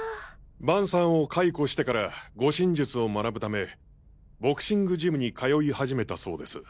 伴さんを解雇してから護身術を学ぶ為ボクシングジムに通い始めたそうです。